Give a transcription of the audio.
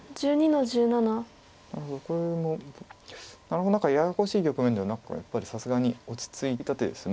なるほど何かややこしい局面ではやっぱりさすがに落ち着いた手です。